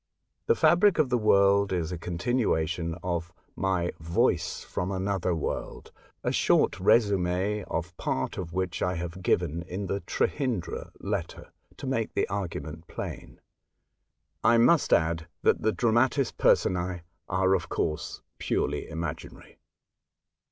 The fabric of the work is a continuation ot my "Voice from Another World/' a short resume of part of which I have given in the Trehyndra letter, to make the argument plain. I must add that the dramatis personce are, ot course, purely imaginary.